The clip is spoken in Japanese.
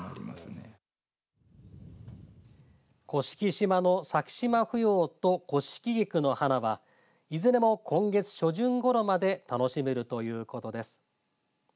甑島のサキシマフヨウとコシキギクの花はいずれも今月初旬ごろまで楽しめるということです。